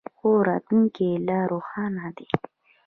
خو راتلونکی یې لا روښانه دی.